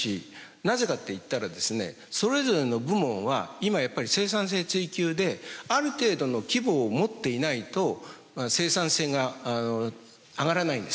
なぜかといったらですねそれぞれの部門は今やっぱり生産性追求である程度の規模を持っていないと生産性が上がらないんです。